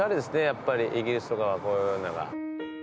やっぱりイギリスとかはこういうのが。